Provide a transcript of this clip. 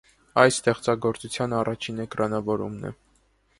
Այդ ստեղծագործության առաջին էկրանավորումն է։